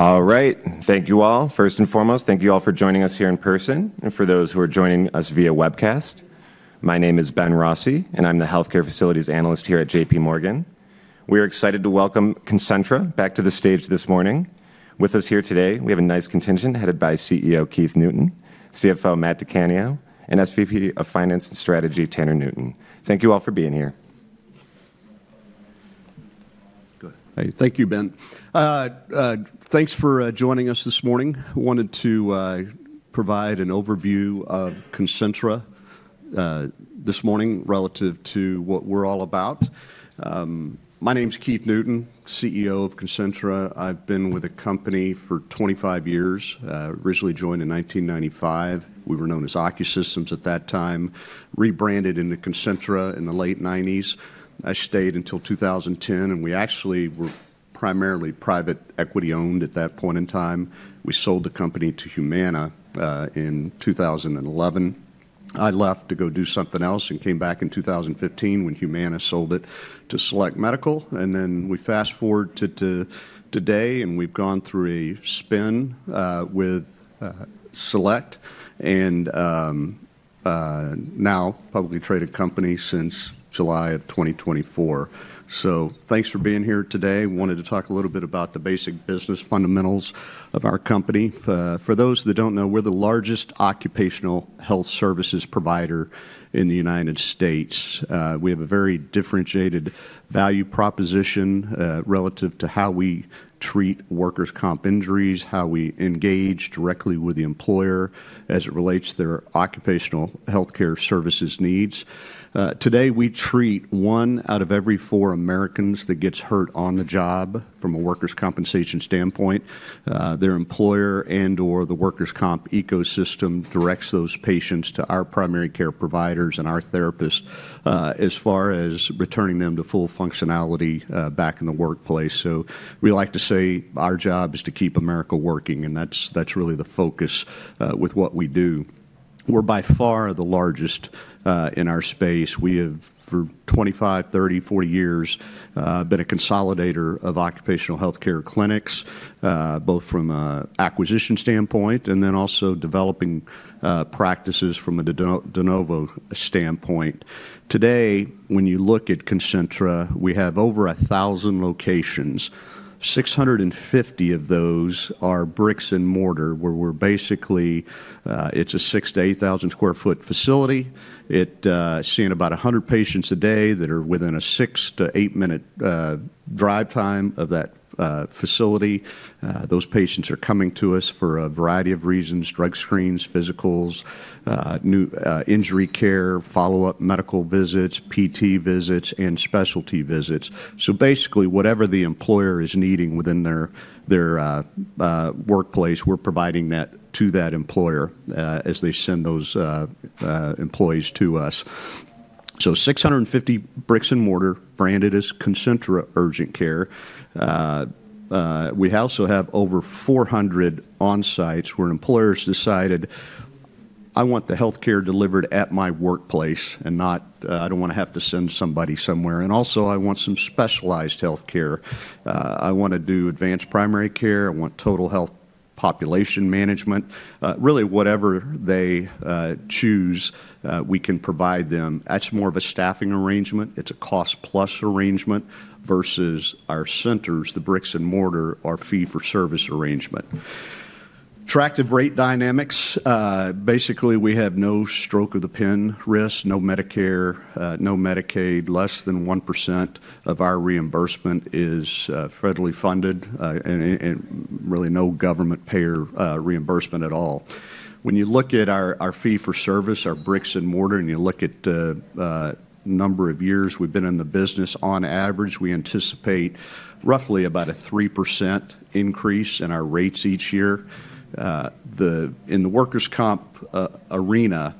All right. Thank you all. First and foremost, thank you all for joining us here in person, and for those who are joining us via webcast. My name is Ben Rossi, and I'm the Healthcare Facilities Analyst here at J.P. Morgan. We are excited to welcome Concentra back to the stage this morning. With us here today, we have a nice contingent headed by CEO Keith Newton, CFO Matt DiCanio, and SVP of Finance and Strategy Tanner Newton. Thank you all for being here. Thank you, Ben. Thanks for joining us this morning. I wanted to provide an overview of Concentra this morning relative to what we're all about. My name's Keith Newton, CEO of Concentra. I've been with the company for 25 years. I originally joined in 1995. We were known as OccuSystems at that time, rebranded into Concentra in the late 1990s. I stayed until 2010, and we actually were primarily private equity-owned at that point in time. We sold the company to Humana in 2011. I left to go do something else and came back in 2015 when Humana sold it to Select Medical. And then we fast-forward to today, and we've gone through a spin with Select and now a publicly traded company since July of 2024. So thanks for being here today. I wanted to talk a little bit about the basic business fundamentals of our company. For those that don't know, we're the largest occupational health services provider in the United States. We have a very differentiated value proposition relative to how we treat workers' comp injuries, how we engage directly with the employer as it relates to their occupational healthcare services needs. Today, we treat one out of every four Americans that gets hurt on the job from a workers' compensation standpoint. Their employer and/or the workers' comp ecosystem directs those patients to our primary care providers and our therapists as far as returning them to full functionality back in the workplace. So we like to say our job is to keep America working, and that's really the focus with what we do. We're by far the largest in our space. We have, for 25, 30, 40 years, been a consolidator of occupational healthcare clinics, both from an acquisition standpoint and then also developing practices from a de novo standpoint. Today, when you look at Concentra, we have over 1,000 locations. 650 of those are bricks and mortar, where we're basically. It's a 6,000-8,000 sq ft facility. It's seeing about 100 patients a day that are within a 6-8-minute drive time of that facility. Those patients are coming to us for a variety of reasons: drug screens, physicals, injury care, follow-up medical visits, PT visits, and specialty visits, so basically, whatever the employer is needing within their workplace, we're providing that to that employer as they send those employees to us, so 650 bricks and mortar, branded as Concentra Urgent Care. We also have over 400 on-sites where employers decided, "I want the healthcare delivered at my workplace, and I don't want to have to send somebody somewhere." And also, "I want some specialized healthcare. I want to do Advanced Primary Care. I want total health population management." Really, whatever they choose, we can provide them. That's more of a staffing arrangement. It's a cost-plus arrangement versus our centers, the bricks and mortar, our fee-for-service arrangement. Attractive rate dynamics. Basically, we have no stroke-of-the-pen risk, no Medicare, no Medicaid. Less than 1% of our reimbursement is federally funded, and really no government-payer reimbursement at all. When you look at our fee-for-service, our bricks and mortar, and you look at the number of years we've been in the business, on average, we anticipate roughly about a 3% increase in our rates each year. In the workers' comp arena,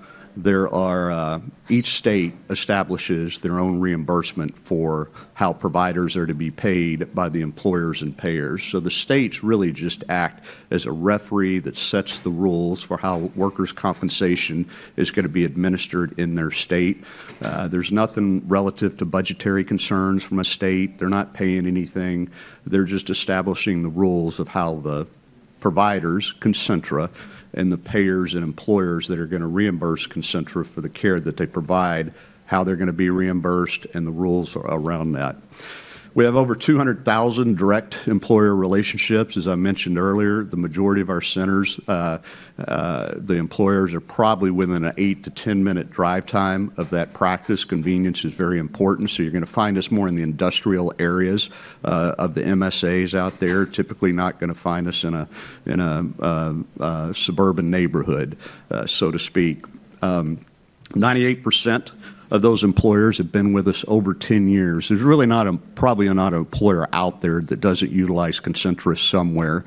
each state establishes their own reimbursement for how providers are to be paid by the employers and payers. So the states really just act as a referee that sets the rules for how workers' compensation is going to be administered in their state. There's nothing relative to budgetary concerns from a state. They're not paying anything. They're just establishing the rules of how the providers, Concentra, and the payers and employers that are going to reimburse Concentra for the care that they provide, how they're going to be reimbursed, and the rules around that. We have over 200,000 direct employer relationships. As I mentioned earlier, the majority of our centers, the employers are probably within an 8-10-minute drive time of that practice. Convenience is very important. So you're going to find us more in the industrial areas of the MSAs out there, typically not going to find us in a suburban neighborhood, so to speak. 98% of those employers have been with us over 10 years. There's really probably not an employer out there that doesn't utilize Concentra somewhere.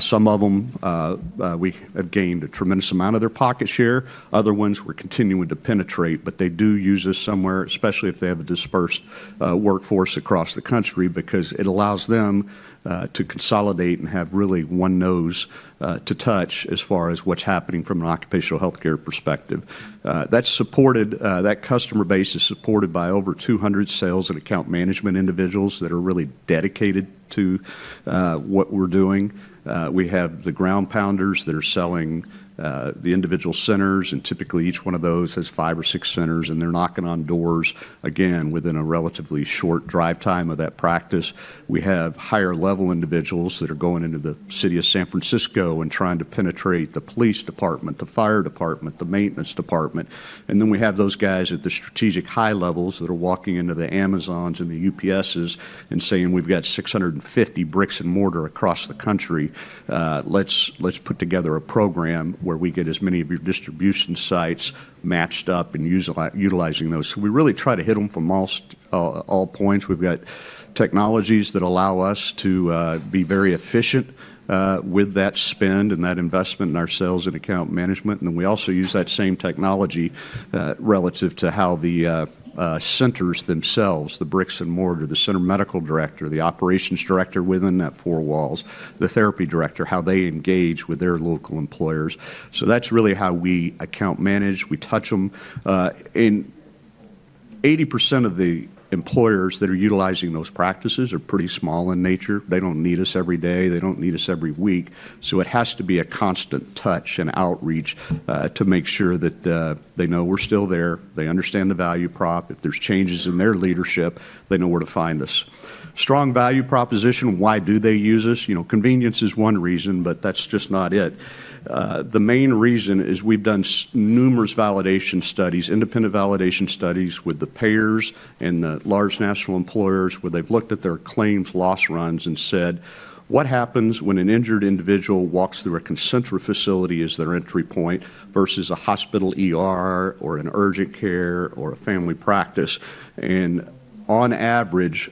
Some of them, we have gained a tremendous amount of their pocket share. Other ones, we're continuing to penetrate, but they do use us somewhere, especially if they have a dispersed workforce across the country because it allows them to consolidate and have really one nose to touch as far as what's happening from an occupational healthcare perspective. That customer base is supported by over 200 sales and account management individuals that are really dedicated to what we're doing. We have the ground pounders that are selling the individual centers, and typically each one of those has five or six centers, and they're knocking on doors, again, within a relatively short drive time of that practice. We have higher-level individuals that are going into the city of San Francisco and trying to penetrate the police department, the fire department, the maintenance department, and then we have those guys at the strategic high levels that are walking into the Amazons and the UPSs and saying, "We've got 650 bricks and mortar across the country. Let's put together a program where we get as many of your distribution sites matched up and utilizing those," so we really try to hit them from all points. We've got technologies that allow us to be very efficient with that spend and that investment in our sales and account management. And then we also use that same technology relative to how the centers themselves, the bricks and mortar, the center medical director, the operations director within that four walls, the therapy director, how they engage with their local employers. So that's really how we account manage. We touch them. And 80% of the employers that are utilizing those practices are pretty small in nature. They don't need us every day. They don't need us every week. So it has to be a constant touch and outreach to make sure that they know we're still there, they understand the value prop, if there's changes in their leadership, they know where to find us. Strong value proposition. Why do they use us? Convenience is one reason, but that's just not it. The main reason is we've done numerous validation studies, independent validation studies with the payers and the large national employers where they've looked at their claims loss runs and said, "What happens when an injured individual walks through a Concentra facility as their entry point versus a hospital or an urgent care or a family practice?", and on average,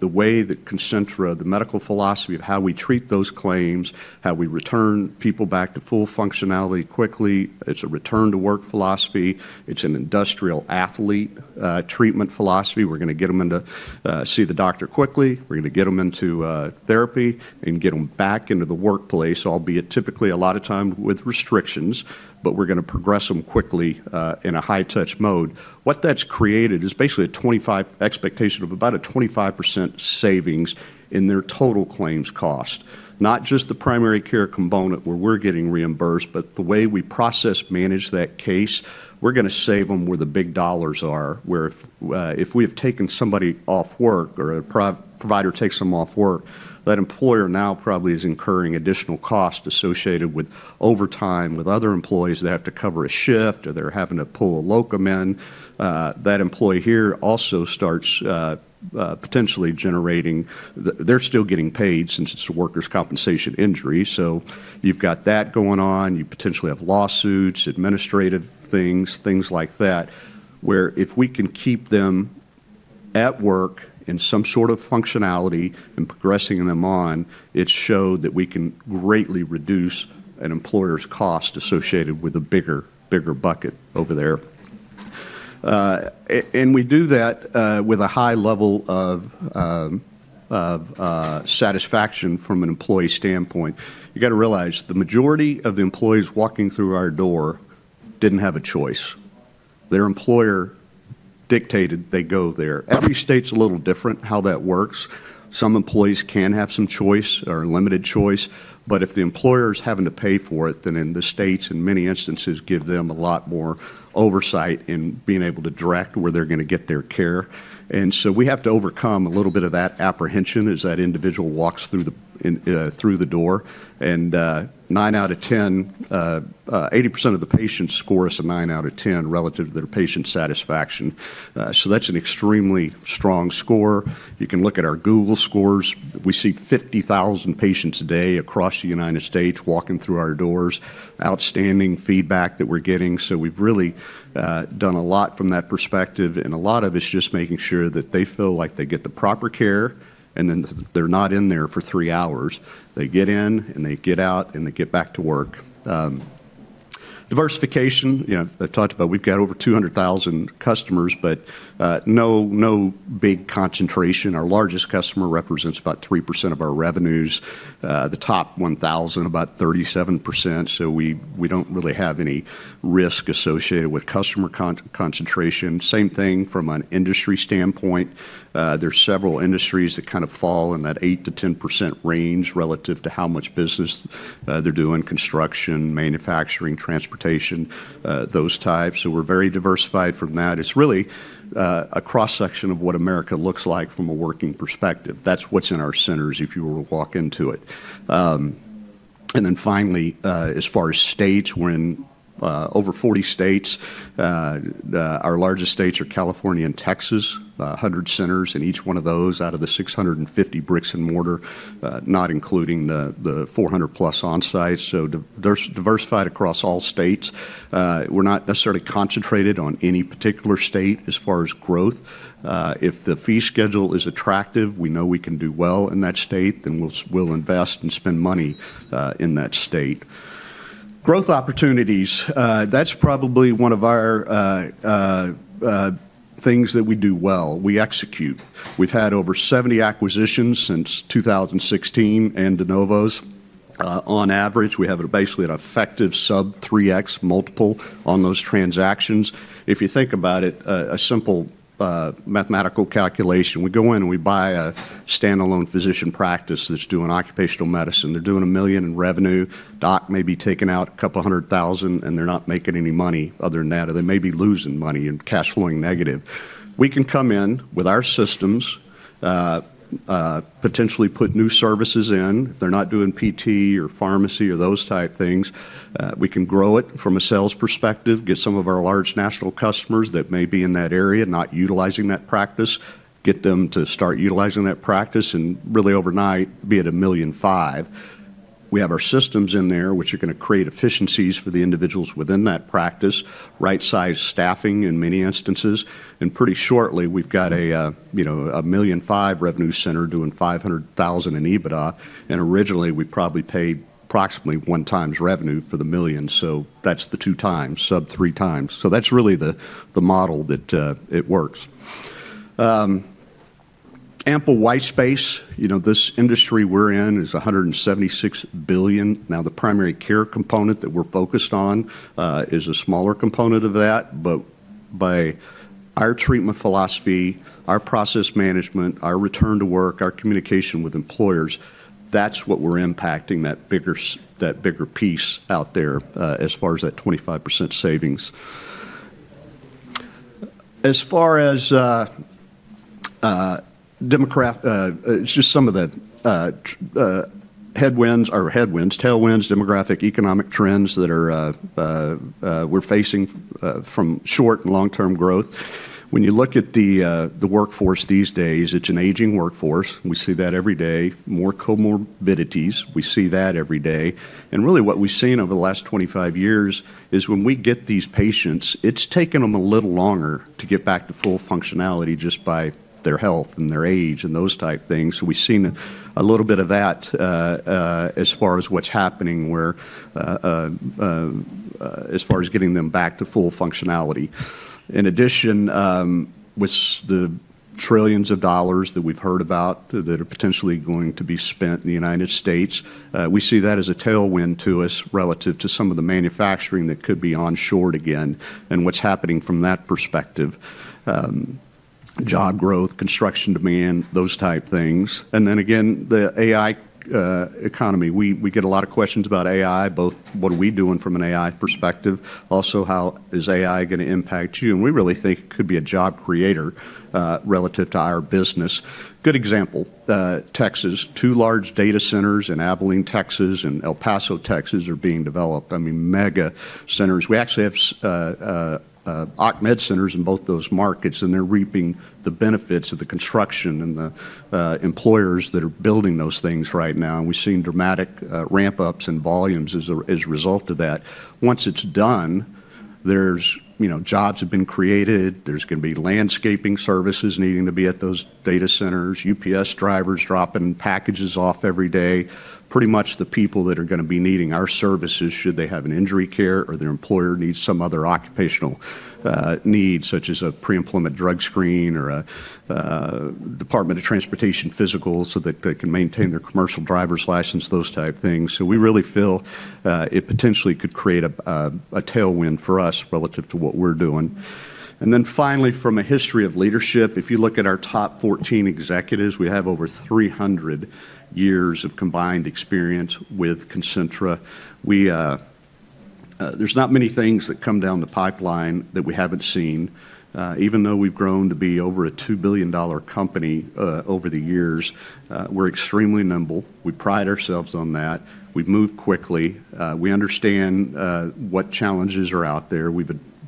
the way that Concentra, the medical philosophy of how we treat those claims, how we return people back to full functionality quickly, it's a return-to-work philosophy. It's an Industrial Athlete treatment philosophy. We're going to get them into see the doctor quickly. We're going to get them into therapy and get them back into the workplace, albeit typically a lot of time with restrictions, but we're going to progress them quickly in a high-touch mode. What that's created is basically an expectation of about a 25% savings in their total claims cost. Not just the primary care component where we're getting reimbursed, but the way we process, manage that case, we're going to save them where the big dollars are. Where if we have taken somebody off work or a provider takes them off work, that employer now probably is incurring additional costs associated with overtime with other employees that have to cover a shift or they're having to pull a locum in. That employee here also starts potentially generating, they're still getting paid since it's a workers' compensation injury. So you've got that going on. You potentially have lawsuits, administrative things, things like that. Where if we can keep them at work in some sort of functionality and progressing them on, it's showed that we can greatly reduce an employer's cost associated with a bigger bucket over there, and we do that with a high level of satisfaction from an employee standpoint. You got to realize the majority of the employees walking through our door didn't have a choice. Their employer dictated they go there. Every state's a little different how that works. Some employees can have some choice or limited choice, but if the employer is having to pay for it, then the states in many instances give them a lot more oversight in being able to direct where they're going to get their care, and so we have to overcome a little bit of that apprehension as that individual walks through the door. Nine out of 10, 80% of the patients score us a 9 out of 10 relative to their patient satisfaction. So that's an extremely strong score. You can look at our Google scores. We see 50,000 patients a day across the United States walking through our doors, outstanding feedback that we're getting. So we've really done a lot from that perspective, and a lot of it's just making sure that they feel like they get the proper care and then they're not in there for three hours. They get in and they get out and they get back to work. Diversification. I talked about we've got over 200,000 customers, but no big concentration. Our largest customer represents about 3% of our revenues. The top 1,000, about 37%. So we don't really have any risk associated with customer concentration. Same thing from an industry standpoint. There's several industries that kind of fall in that 8%-10% range relative to how much business they're doing: construction, manufacturing, transportation, those types, so we're very diversified from that. It's really a cross-section of what America looks like from a working perspective. That's what's in our centers if you were to walk into it, and then finally, as far as states, we're in over 40 states. Our largest states are California and Texas, 100 centers in each one of those out of the 650 bricks and mortar, not including the 400-plus on-site, so diversified across all states. We're not necessarily concentrated on any particular state as far as growth. If the fee schedule is attractive, we know we can do well in that state, then we'll invest and spend money in that state. Growth opportunities. That's probably one of our things that we do well. We execute. We've had over 70 acquisitions since 2016 and de novos. On average, we have basically an effective sub-3X multiple on those transactions. If you think about it, a simple mathematical calculation, we go in and we buy a standalone physician practice that's doing occupational medicine. They're doing $1 million in revenue. Doc may be taken out a couple of hundred thousand, and they're not making any money other than that, or they may be losing money and cash flowing negative. We can come in with our systems, potentially put new services in. If they're not doing PT or pharmacy or those type things, we can grow it from a sales perspective, get some of our large national customers that may be in that area not utilizing that practice, get them to start utilizing that practice, and really overnight be at $1.5 million. We have our systems in there, which are going to create efficiencies for the individuals within that practice, right-sized staffing in many instances, and pretty shortly, we've got a $1.5 million revenue center doing $500,000 in EBITDA, and originally, we probably paid approximately one times revenue for the $1 million, so that's the two times, sub-three times, so that's really the model that it works. Ample white space. This industry we're in is $176 billion. Now, the primary care component that we're focused on is a smaller component of that, but by our treatment philosophy, our process management, our return to work, our communication with employers, that's what we're impacting that bigger piece out there as far as that 25% savings. As far as just some of the headwinds or tailwinds, demographic, economic trends that we're facing from short and long-term growth. When you look at the workforce these days, it's an aging workforce. We see that every day. More comorbidities. We see that every day. And really what we've seen over the last 25 years is when we get these patients, it's taken them a little longer to get back to full functionality just by their health and their age and those type things. So we've seen a little bit of that as far as what's happening as far as getting them back to full functionality. In addition, with the trillions of dollars that we've heard about that are potentially going to be spent in the United States, we see that as a tailwind to us relative to some of the manufacturing that could be on shore again and what's happening from that perspective: job growth, construction demand, those type things. And then again, the AI economy. We get a lot of questions about AI, both what are we doing from an AI perspective, also how is AI going to impact you. And we really think it could be a job creator relative to our business. Good example, Texas. Two large data centers in Abilene, Texas, and El Paso, Texas are being developed. I mean, mega centers. We actually have occ med centers in both those markets, and they're reaping the benefits of the construction and the employers that are building those things right now. And we've seen dramatic ramp-ups in volumes as a result of that. Once it's done, jobs have been created. There's going to be landscaping services needing to be at those data centers, UPS drivers dropping packages off every day. Pretty much the people that are going to be needing our services should they have an injury care or their employer needs some other occupational need, such as a pre-employment drug screen or a Department of Transportation physical so that they can maintain their commercial driver's license, those type things. So we really feel it potentially could create a tailwind for us relative to what we're doing. And then finally, from a history of leadership, if you look at our top 14 executives, we have over 300 years of combined experience with Concentra. There's not many things that come down the pipeline that we haven't seen. Even though we've grown to be over a $2 billion company over the years, we're extremely nimble. We pride ourselves on that. We've moved quickly. We understand what challenges are out there.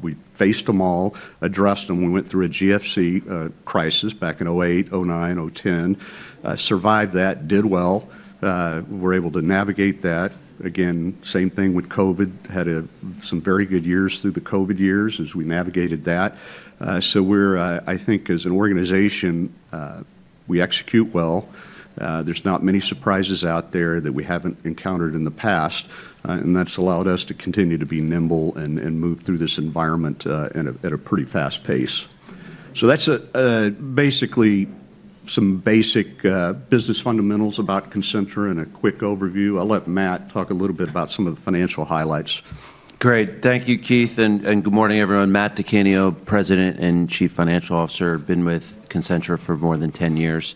We faced them all, addressed them. We went through a GFC crisis back in 2008, 2009, 2010, survived that, did well. We're able to navigate that. Again, same thing with COVID. Had some very good years through the COVID years as we navigated that. So I think as an organization, we execute well. There's not many surprises out there that we haven't encountered in the past, and that's allowed us to continue to be nimble and move through this environment at a pretty fast pace. So that's basically some basic business fundamentals about Concentra and a quick overview. I'll let Matt talk a little bit about some of the financial highlights. Great. Thank you, Keith. And good morning, everyone. Matt DiCanio, President and Chief Financial Officer, been with Concentra for more than 10 years.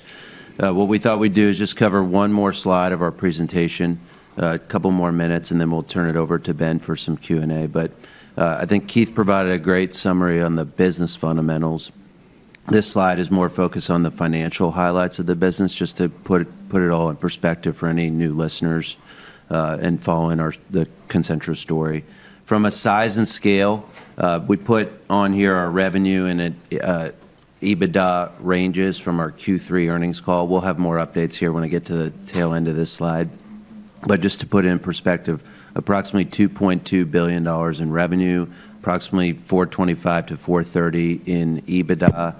What we thought we'd do is just cover one more slide of our presentation, a couple more minutes, and then we'll turn it over to Ben for some Q&A. But I think Keith provided a great summary on the business fundamentals. This slide is more focused on the financial highlights of the business, just to put it all in perspective for any new listeners and following the Concentra story. From a size and scale, we put on here our revenue and EBITDA ranges from our Q3 earnings call. We'll have more updates here when I get to the tail end of this slide. But just to put it in perspective, approximately $2.2 billion in revenue, approximately 425-430 in EBITDA.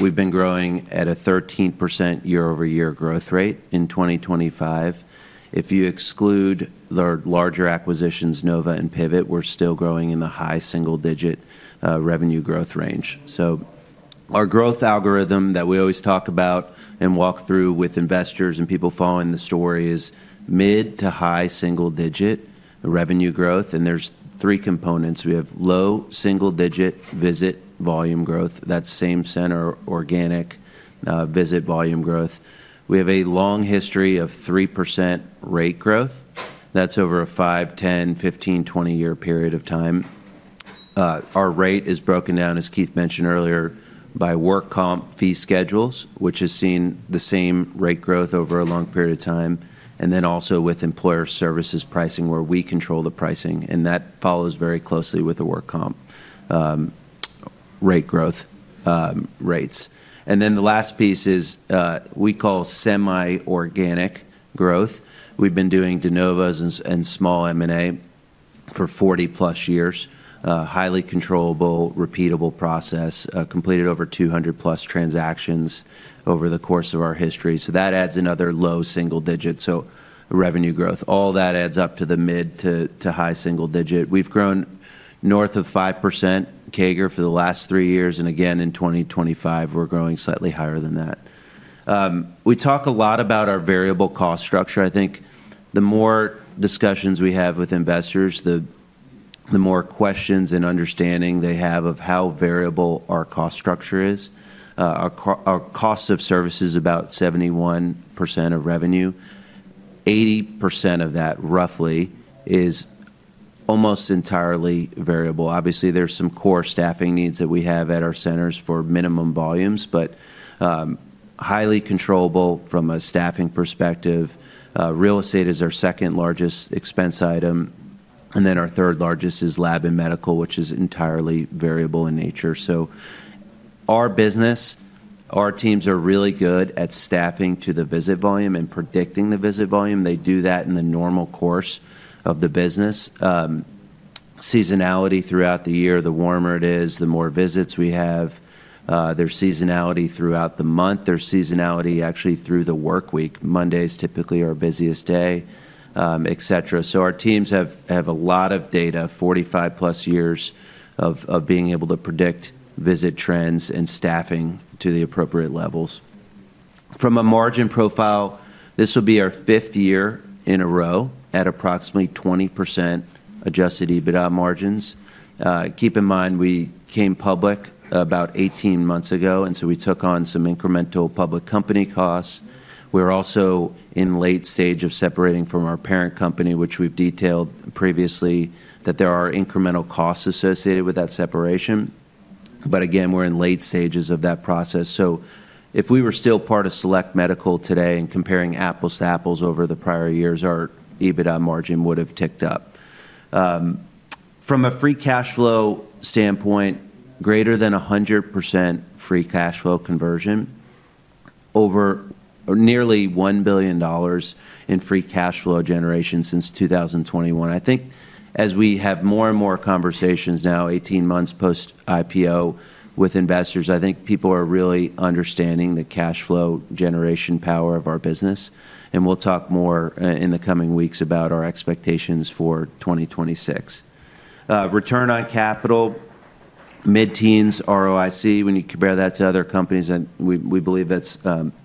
We've been growing at a 13% year-over-year growth rate in 2025. If you exclude the larger acquisitions, Nova and Pivot, we're still growing in the high single-digit revenue growth range, so our growth algorithm that we always talk about and walk through with investors and people following the story is mid- to high-single-digit revenue growth, and there's three components. We have low-single-digit visit volume growth. That's same center organic visit volume growth. We have a long history of 3% rate growth. That's over a five, 10, 15, 20-year period of time. Our rate is broken down, as Keith mentioned earlier, by work comp fee schedules, which has seen the same rate growth over a long period of time, and then also with employer services pricing, where we control the pricing, and that follows very closely with the work comp rate growth rates. And then the last piece is we call semi-organic growth. We've been doing de novos and small M&A for 40-plus years, highly controllable repeatable process, completed over 200-plus transactions over the course of our history. So that adds another low single-digit. So revenue growth, all that adds up to the mid to high single-digit. We've grown north of 5% CAGR for the last three years. And again, in 2025, we're growing slightly higher than that. We talk a lot about our variable cost structure. I think the more discussions we have with investors, the more questions and understanding they have of how variable our cost structure is. Our cost of service is about 71% of revenue. 80% of that, roughly, is almost entirely variable. Obviously, there's some core staffing needs that we have at our centers for minimum volumes, but highly controllable from a staffing perspective. Real estate is our second largest expense item, and then our third largest is lab and medical, which is entirely variable in nature, so our business, our teams are really good at staffing to the visit volume and predicting the visit volume. They do that in the normal course of the business. Seasonality throughout the year, the warmer it is, the more visits we have. There's seasonality throughout the month. There's seasonality actually through the work week. Mondays typically are our busiest day, etc. So our teams have a lot of data, 45-plus years of being able to predict visit trends and staffing to the appropriate levels. From a margin profile, this will be our fifth year in a row at approximately 20% adjusted EBITDA margins. Keep in mind, we came public about 18 months ago, and so we took on some incremental public company costs. We're also in the late stage of separating from our parent company, which we've detailed previously, that there are incremental costs associated with that separation. But again, we're in late stages of that process. So if we were still part of Select Medical today and comparing apples to apples over the prior years, our EBITDA margin would have ticked up. From a free cash flow standpoint, greater than 100% free cash flow conversion, over nearly $1 billion in free cash flow generation since 2021. I think as we have more and more conversations now, 18 months post-IPO with investors, I think people are really understanding the cash flow generation power of our business. And we'll talk more in the coming weeks about our expectations for 2026. Return on capital, mid-teens, ROIC, when you compare that to other companies, we believe that's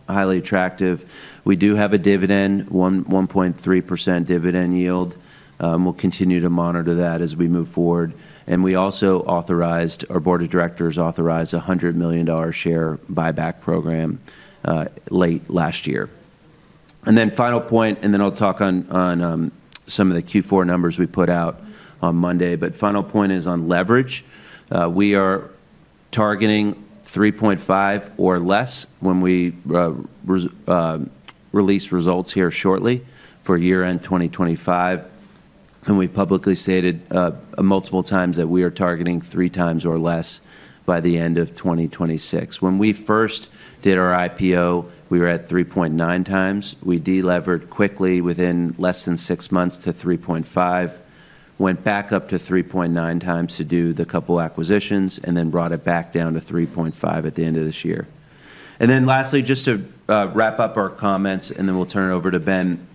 highly attractive. We do have a dividend, 1.3% dividend yield. We'll continue to monitor that as we move forward. Our board of directors authorized a $100 million share buyback program late last year. Then, our final point, and then I'll talk on some of the Q4 numbers we put out on Monday. Our final point is on leverage. We are targeting 3.5 or less when we release results here shortly for year-end 2025. We've publicly stated multiple times that we are targeting three times or less by the end of 2026. When we first did our IPO, we were at 3.9 times. We delevered quickly within less than six months to 3.5, went back up to 3.9 times to do the couple acquisitions, and then brought it back down to 3.5 at the end of this year. And then lastly, just to wrap up our comments, and then we'll turn it over to Ben.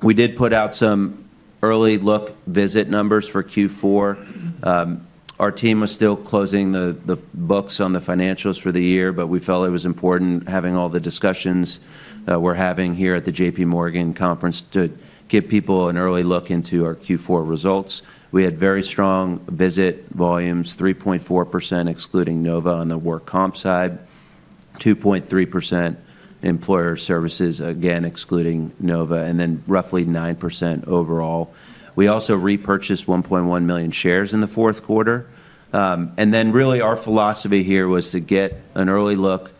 We did put out some early look visit numbers for Q4. Our team was still closing the books on the financials for the year, but we felt it was important having all the discussions we're having here at the J.P. Morgan conference to give people an early look into our Q4 results. We had very strong visit volumes, 3.4% excluding Nova on the work comp side, 2.3% employer services, again, excluding Nova, and then roughly 9% overall. We also repurchased 1.1 million shares in the fourth quarter. And then really our philosophy here was to get an early look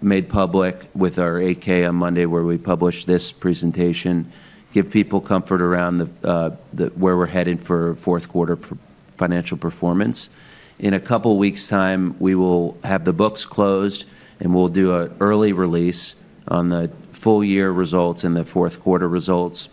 made public with our 8-K on Monday where we publish this presentation, give people comfort around where we're headed for fourth quarter financial performance. In a couple of weeks' time, we will have the books closed, and we'll do an early release on the full year results and the fourth quarter results.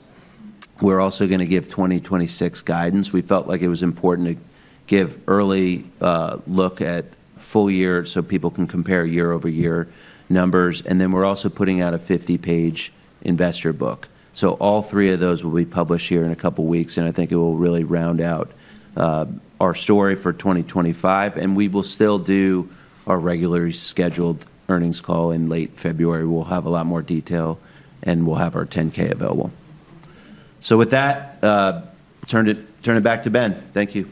We're also going to give 2026 guidance. We felt like it was important to give an early look at full year so people can compare year-over-year numbers. And then we're also putting out a 50-page investor book. So all three of those will be published here in a couple of weeks, and I think it will really round out our story for 2025. And we will still do our regularly scheduled earnings call in late February. We'll have a lot more detail, and we'll have our 10-K available. So with that, turn it back to Ben. Thank you.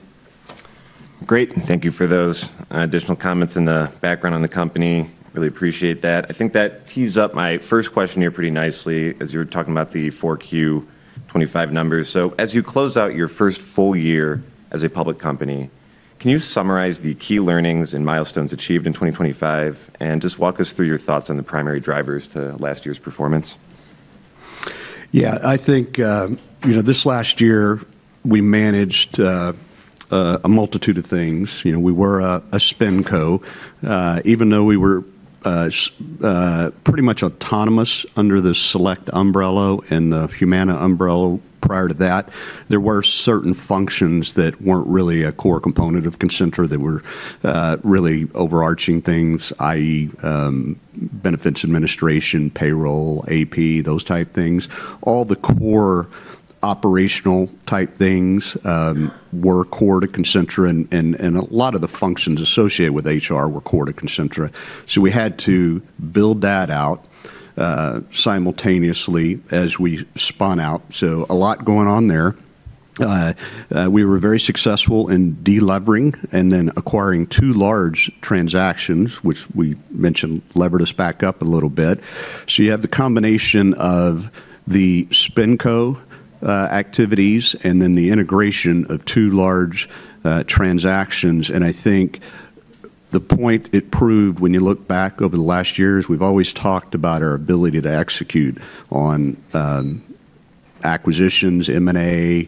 Great. Thank you for those additional comments in the background on the company. Really appreciate that. I think that tees up my first question here pretty nicely as you were talking about the 4Q25 numbers. So as you close out your first full year as a public company, can you summarize the key learnings and milestones achieved in 2025? And just walk us through your thoughts on the primary drivers to last year's performance? Yeah. I think this last year, we managed a multitude of things. We were a SpinCo. Even though we were pretty much autonomous under the Select umbrella and the Humana umbrella prior to that, there were certain functions that weren't really a core component of Concentra that were really overarching things, i.e., benefits administration, payroll, AP, those type things. All the core operational type things were core to Concentra, and a lot of the functions associated with HR were core to Concentra. So we had to build that out simultaneously as we spun out. So a lot going on there. We were very successful in delevering and then acquiring two large transactions, which we mentioned levered us back up a little bit. So you have the combination of the SpinCo activities and then the integration of two large transactions. And I think the point it proved when you look back over the last year is we've always talked about our ability to execute on acquisitions, M&A,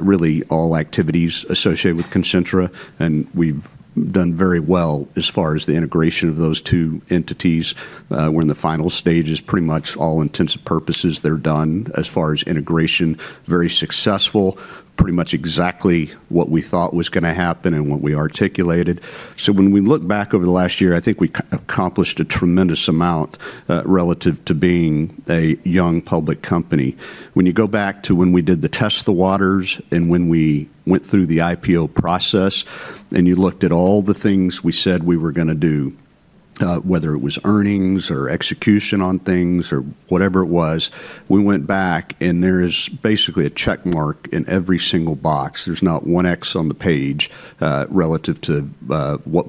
really all activities associated with Concentra. And we've done very well as far as the integration of those two entities. We're in the final stages pretty much. All intents and purposes, they're done as far as integration, very successful, pretty much exactly what we thought was going to happen and what we articulated. So when we look back over the last year, I think we accomplished a tremendous amount relative to being a young public company. When you go back to when we did the test of the waters and when we went through the IPO process and you looked at all the things we said we were going to do, whether it was earnings or execution on things or whatever it was, we went back and there is basically a check mark in every single box. There's not one X on the page relative to what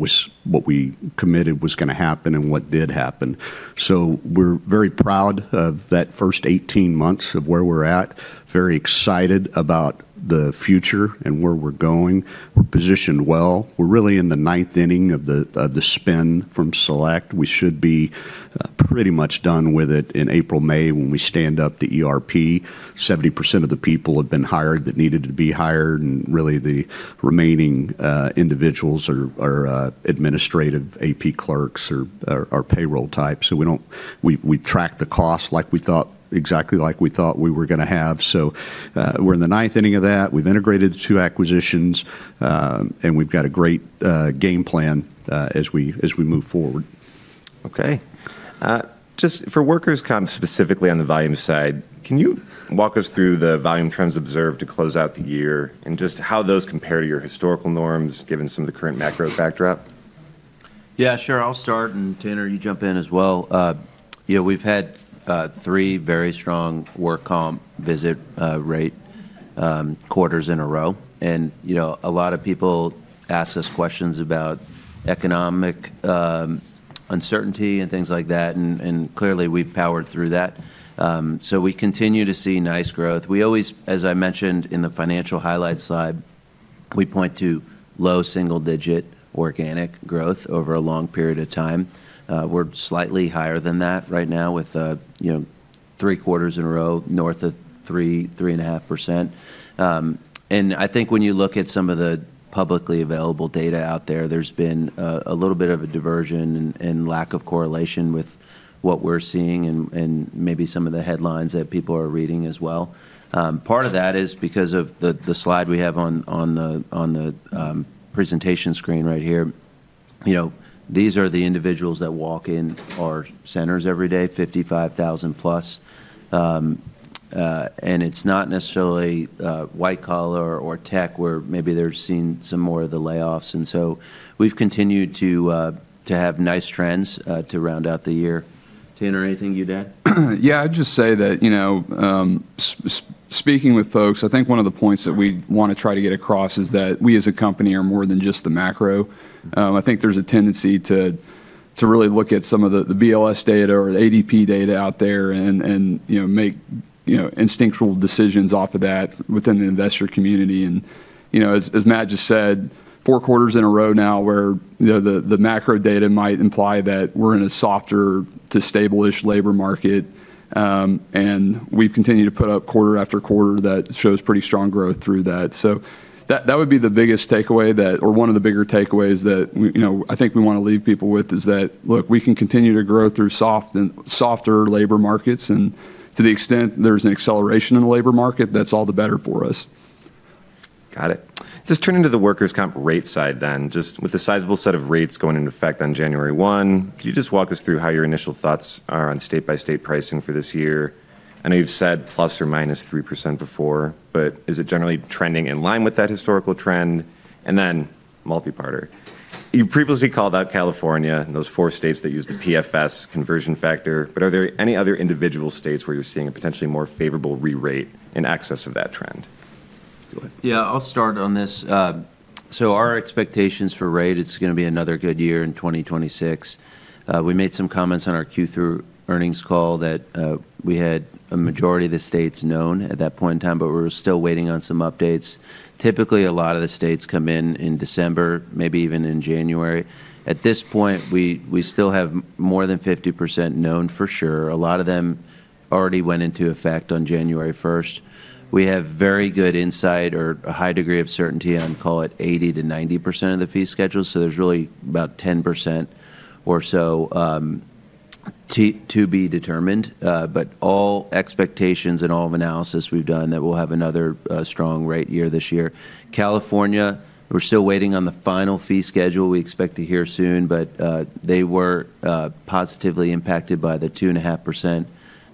we committed was going to happen and what did happen. So we're very proud of that first 18 months of where we're at, very excited about the future and where we're going. We're positioned well. We're really in the ninth inning of the spin from Select. We should be pretty much done with it in April, May when we stand up the ERP. 70% of the people have been hired that needed to be hired. And really the remaining individuals are administrative AP clerks or payroll types. So we track the costs exactly like we thought we were going to have. So we're in the ninth inning of that. We've integrated two acquisitions, and we've got a great game plan as we move forward. Okay. Just for workers' comp specifically on the volume side, can you walk us through the volume trends observed to close out the year and just how those compare to your historical norms given some of the current macro backdrop? Yeah, sure. I'll start, and Tanner, you jump in as well. We've had three very strong work comp visit rate quarters in a row. And a lot of people ask us questions about economic uncertainty and things like that. And clearly, we've powered through that. So we continue to see nice growth. We always, as I mentioned in the financial highlights slide, we point to low single-digit organic growth over a long period of time. We're slightly higher than that right now with three quarters in a row north of 3%, 3.5%. And I think when you look at some of the publicly available data out there, there's been a little bit of a diversion and lack of correlation with what we're seeing and maybe some of the headlines that people are reading as well. Part of that is because of the slide we have on the presentation screen right here. These are the individuals that walk in our centers every day, 55,000 plus. It's not necessarily white collar or tech where maybe they're seeing some more of the layoffs, and so we've continued to have nice trends to round out the year. Tanner, anything you'd add? Yeah, I'd just say that speaking with folks, I think one of the points that we want to try to get across is that we as a company are more than just the macro. I think there's a tendency to really look at some of the BLS data or the ADP data out there and make instinctual decisions off of that within the investor community. And as Matt just said, four quarters in a row now where the macro data might imply that we're in a softer to stable-ish labor market. And we've continued to put up quarter after quarter that shows pretty strong growth through that. So that would be the biggest takeaway that, or one of the bigger takeaways that I think we want to leave people with is that, look, we can continue to grow through softer labor markets. To the extent there's an acceleration in the labor market, that's all the better for us. Got it. Just turning to the workers' comp rate side then, just with the sizable set of rates going into effect on January 1, could you just walk us through how your initial thoughts are on state-by-state pricing for this year? I know you've said plus or minus 3% before, but is it generally trending in line with that historical trend? And then multi-partner. You previously called out California and those four states that use the PFS conversion factor, but are there any other individual states where you're seeing a potentially more favorable re-rate in excess of that trend? Yeah, I'll start on this. So our expectations for rate, it's going to be another good year in 2026. We made some comments on our Q3 earnings call that we had a majority of the states known at that point in time, but we were still waiting on some updates. Typically, a lot of the states come in in December, maybe even in January. At this point, we still have more than 50% known for sure. A lot of them already went into effect on January 1st. We have very good insight or a high degree of certainty on, call it 80%-90% of the fee schedule. So there's really about 10% or so to be determined. But all expectations and all of analysis we've done that we'll have another strong rate year this year. California, we're still waiting on the final fee schedule we expect to hear soon, but they were positively impacted by the 2.5%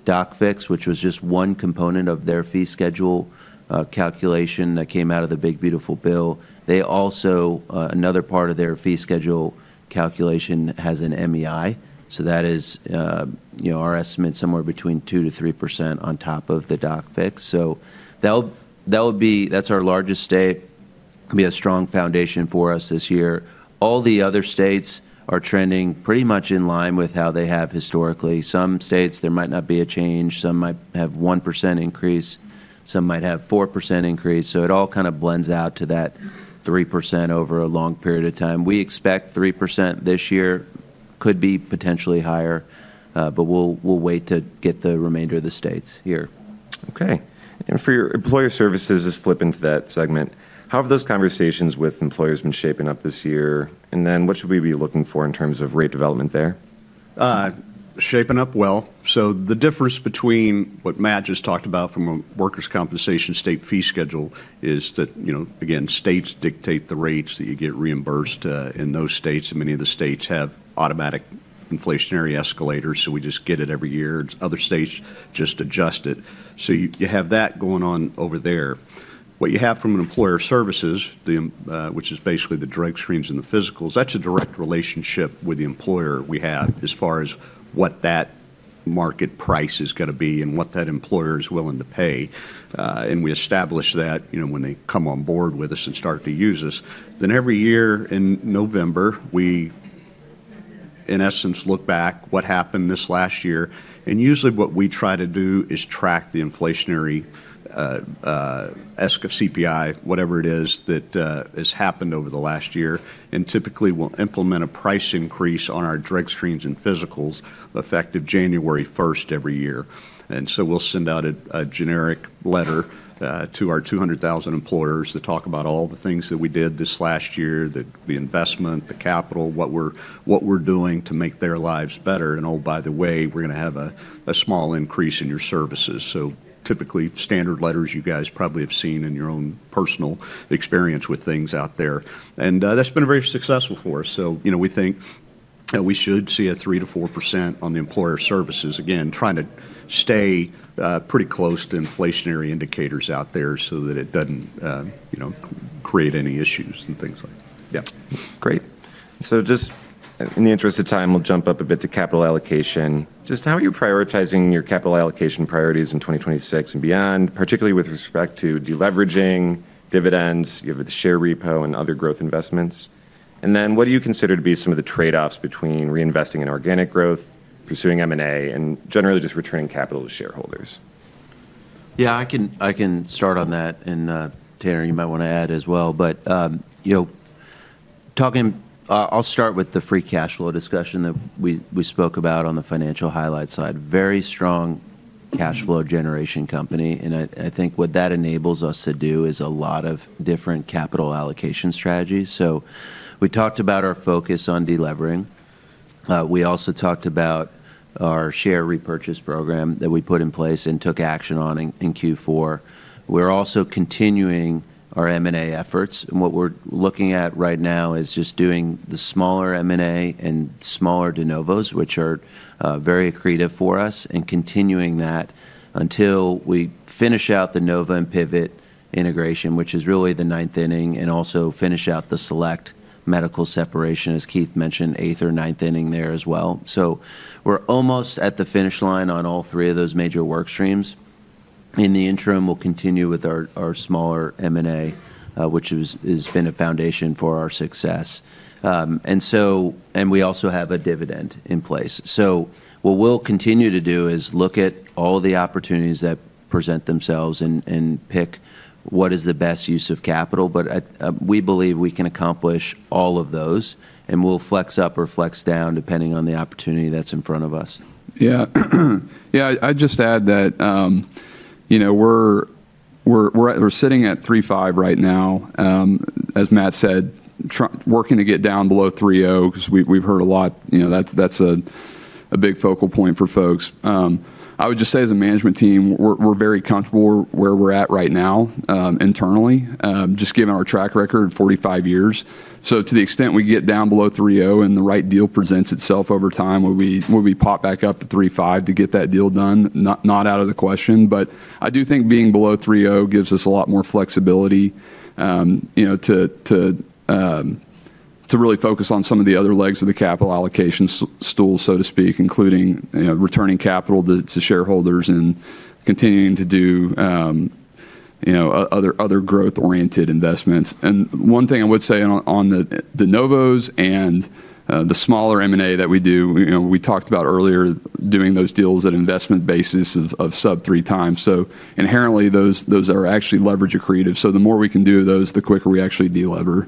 doc fix, which was just one component of their fee schedule calculation that came out of the big beautiful bill. They also, another part of their fee schedule calculation has an MEI. So that is our estimate somewhere between 2%-3% on top of the doc fix. So that would be, that's our largest state, be a strong foundation for us this year. All the other states are trending pretty much in line with how they have historically. Some states, there might not be a change. Some might have 1% increase. Some might have 4% increase. So it all kind of blends out to that 3% over a long period of time. We expect 3% this year, could be potentially higher, but we'll wait to get the remainder of the states here. Okay, and for your employer services is flipping to that segment. How have those conversations with employers been shaping up this year? And then what should we be looking for in terms of rate development there? Shaping up well. So the difference between what Matt just talked about from a workers' compensation state fee schedule is that, again, states dictate the rates that you get reimbursed in those states. And many of the states have automatic inflationary escalators, so we just get it every year. Other states just adjust it. So you have that going on over there. What you have from an employer services, which is basically the drug screens and the physicals, that's a direct relationship with the employer we have as far as what that market price is going to be and what that employer is willing to pay. And we establish that when they come on board with us and start to use us. Then every year in November, we in essence look back what happened this last year. Usually what we try to do is track the inflationary, like CPI, whatever it is that has happened over the last year. Typically we'll implement a price increase on our drug screens and physicals effective January 1st every year. So we'll send out a generic letter to our 200,000 employers to talk about all the things that we did this last year, the investment, the capital, what we're doing to make their lives better. And oh, by the way, we're going to have a small increase in your services. Typically standard letters you guys probably have seen in your own personal experience with things out there. That's been very successful for us. So we think we should see a 3%-4% on the employer services, again, trying to stay pretty close to inflationary indicators out there so that it doesn't create any issues and things like that. Yeah. Great. So just in the interest of time, we'll jump up a bit to capital allocation. Just how are you prioritizing your capital allocation priorities in 2026 and beyond, particularly with respect to deleveraging, dividends, you have the share repo and other growth investments? And then what do you consider to be some of the trade-offs between reinvesting in organic growth, pursuing M&A, and generally just returning capital to shareholders? Yeah, I can start on that. And Tanner, you might want to add as well. But talking, I'll start with the free cash flow discussion that we spoke about on the financial highlight side. Very strong cash flow generation company. And I think what that enables us to do is a lot of different capital allocation strategies. So we talked about our focus on delevering. We also talked about our share repurchase program that we put in place and took action on in Q4. We're also continuing our M&A efforts. And what we're looking at right now is just doing the smaller M&A and smaller de novos, which are very accretive for us, and continuing that until we finish out the Nova and Pivot integration, which is really the ninth inning, and also finish out the Select Medical separation, as Keith mentioned, eighth or ninth inning there as well. So we're almost at the finish line on all three of those major work streams. In the interim, we'll continue with our smaller M&A, which has been a foundation for our success. And we also have a dividend in place. So what we'll continue to do is look at all the opportunities that present themselves and pick what is the best use of capital. But we believe we can accomplish all of those, and we'll flex up or flex down depending on the opportunity that's in front of us. Yeah. Yeah, I'd just add that we're sitting at 3.5 right now. As Matt said, working to get down below 3.0 because we've heard a lot. That's a big focal point for folks. I would just say as a management team, we're very comfortable where we're at right now internally, just given our track record of 45 years. So to the extent we get down below 3.0 and the right deal presents itself over time, will we pop back up to 3.5 to get that deal done? Not out of the question. But I do think being below 3.0 gives us a lot more flexibility to really focus on some of the other legs of the capital allocation stool, so to speak, including returning capital to shareholders and continuing to do other growth-oriented investments. And one thing I would say on the de novos and the smaller M&A that we do, we talked about earlier doing those deals at investment basis of sub three times. So inherently, those are actually leverage accretive. So the more we can do of those, the quicker we actually delever.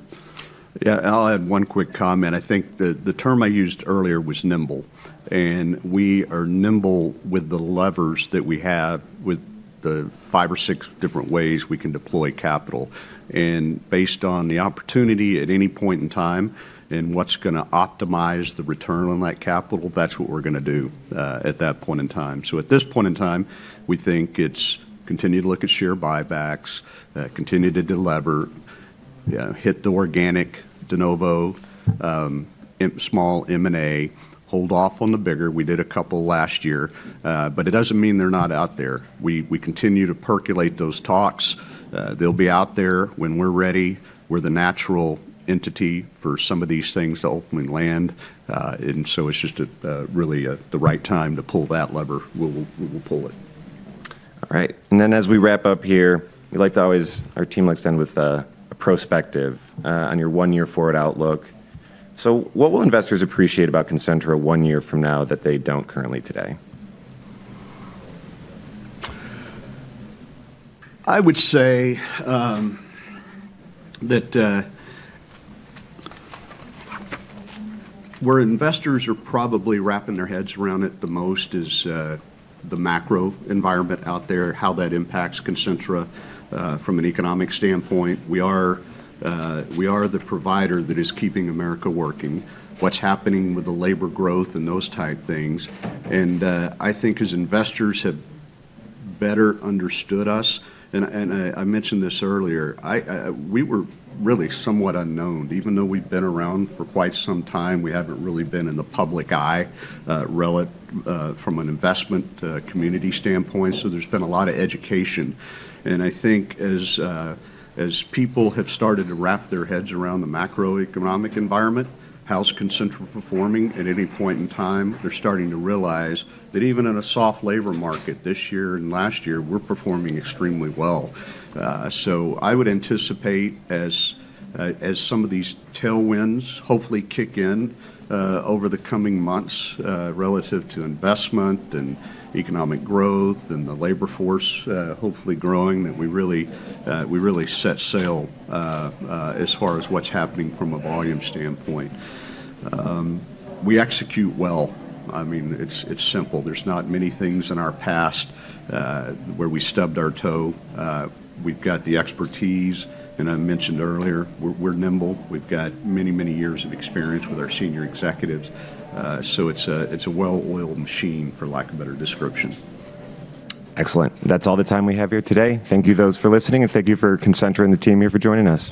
Yeah, I'll add one quick comment. I think the term I used earlier was nimble. And we are nimble with the levers that we have with the five or six different ways we can deploy capital. And based on the opportunity at any point in time and what's going to optimize the return on that capital, that's what we're going to do at that point in time. So at this point in time, we think it's continue to look at share buybacks, continue to deliver, hit the organic de novo, small M&A, hold off on the bigger. We did a couple last year, but it doesn't mean they're not out there. We continue to percolate those talks. They'll be out there when we're ready. We're the natural entity for some of these things to openly land. And so it's just really the right time to pull that lever. We'll pull it. All right. And then as we wrap up here, we like to always, our team likes to end with a perspective on your one-year forward outlook. So what will investors appreciate about Concentra one year from now that they don't currently today? I would say that where investors are probably wrapping their heads around it the most is the macro environment out there, how that impacts Concentra from an economic standpoint. We are the provider that is keeping America working, what's happening with the labor growth and those type things. I think as investors have better understood us, and I mentioned this earlier, we were really somewhat unknown. Even though we've been around for quite some time, we haven't really been in the public eye from an investment community standpoint, so there's been a lot of education. I think as people have started to wrap their heads around the macroeconomic environment, how's Concentra performing at any point in time? They're starting to realize that even in a soft labor market this year and last year, we're performing extremely well. So I would anticipate as some of these tailwinds hopefully kick in over the coming months relative to investment and economic growth and the labor force hopefully growing, that we really set sail as far as what's happening from a volume standpoint. We execute well. I mean, it's simple. There's not many things in our past where we stubbed our toe. We've got the expertise. And I mentioned earlier, we're nimble. We've got many, many years of experience with our senior executives. So it's a well-oiled machine, for lack of a better description. Excellent. That's all the time we have here today. Thank you for listening, and thank you for Concentra and the team here for joining us.